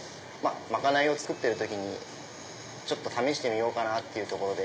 賄いを作ってる時に試してみようかなってところで。